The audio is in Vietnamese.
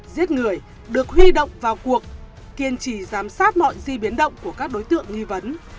giết người được huy động vào cuộc kiên trì giám sát mọi di biến động của các đối tượng nghi vấn